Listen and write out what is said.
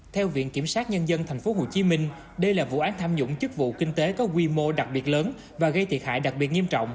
theo viện kiểm sát nhân dân tp hcm đây là vụ án tham nhũng chức vụ kinh tế có quy mô đặc biệt lớn và gây thiệt hại đặc biệt nghiêm trọng